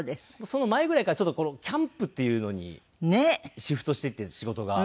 その前ぐらいからちょっとキャンプっていうのにシフトしていって仕事が。